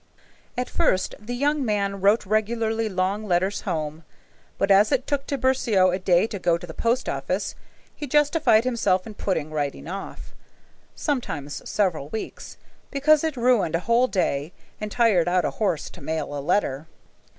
At first the young man wrote regularly long letters home, but as it took Tiburcio a day to go to the post office, he justified himself in putting writing off, sometimes several weeks, because it ruined a whole day and tired out a horse to mail a letter.